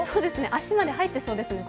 足まで入ってそうですね。